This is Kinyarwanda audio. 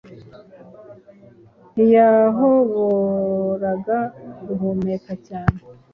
Ntiyahoboraga guhumeka cyane